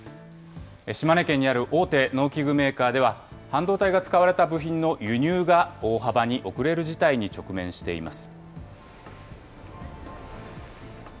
島根県にある大手農機具メーカーでは、半導体が使われた部品の輸入が大幅に遅れる事態に直面しています。